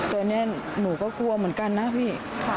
ตอนนี้หนูก็กลัวเหมือนกันนะพี่